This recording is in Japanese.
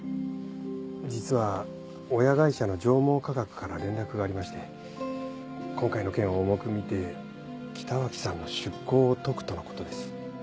実は親会社の上毛化学から連絡がありまして今回の件を重く見て北脇さんの出向を解くとのことです。